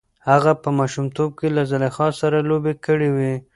هغه په ماشومتوب کې له زلیخا سره لوبې کړې وې.